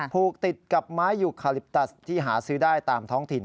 ผูกติดกับไม้ยูคาลิปตัสที่หาซื้อได้ตามท้องถิ่น